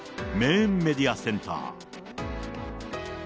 メインメディアセンター。